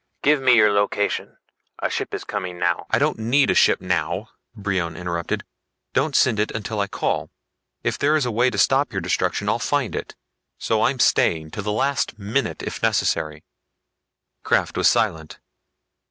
"Give me your location. A ship is coming now " "I don't need a ship now," Brion interrupted. "Don't send it until I call. If there is a way to stop your destruction I'll find it. So I'm staying to the last minute if necessary." Krafft was silent.